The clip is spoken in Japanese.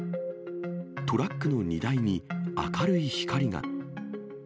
トラックの荷台に明るい光が。